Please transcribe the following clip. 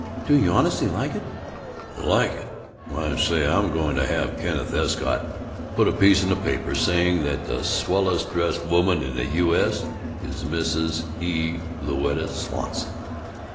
"Do you honestly like it?" "Like it? Why, say, I'm going to have Kenneth Escott put a piece in the paper saying that the swellest dressed woman in the U. S. is MrS.E. Louetta Swanson."